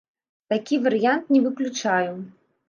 Такі варыянт не выключаю.